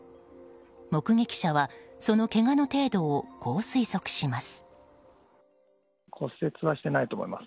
目撃者は、そのけがの程度をこう推測します。